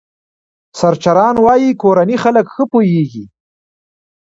سرچران وايي کورني خلک ښه پوهېږي.